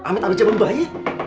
amit ada jam bayi